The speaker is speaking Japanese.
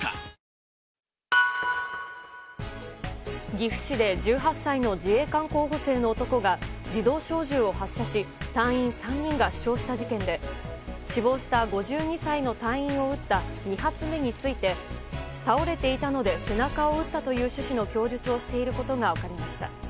岐阜市で１８歳の自衛官候補生の男が自動小銃を発射し隊員３人が死傷した事件で死亡した５２歳の隊員を撃った２発目について倒れていたので背中を撃ったという趣旨の供述をしていることが分かりました。